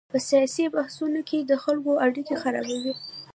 په سیاسي بحثونو کې د خلکو اړیکې خرابوي.